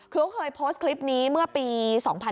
เค้าเคยโพสต์คลิปนี้เมื่อปี๒๐๑๖